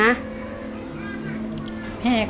รักที่สุดในชีวิต